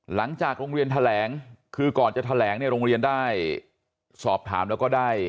หลังจากโรงเรียนแถลงคือก่อนจะแถลงเนี่ยโรงเรียนได้สอบถามแล้วก็ได้